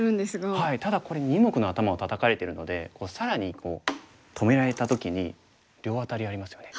ただこれ二目の頭をタタかれてるので更に止められた時に両アタリありますよね。